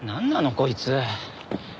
こいつ。